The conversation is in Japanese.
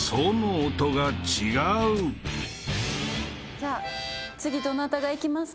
じゃあ次どなたがいきますか？